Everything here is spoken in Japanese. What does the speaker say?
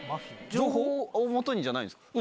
情報を基にじゃないんですか？